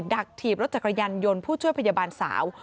ักถีบรถจักรยานยนต์ผู้ช่วยพยาบาลสาว